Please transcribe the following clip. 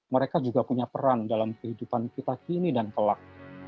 mereka juga punya peran dalam kehidupan kita kini dan kelak